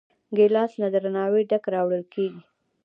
ګیلاس له درناوي ډک راوړل کېږي.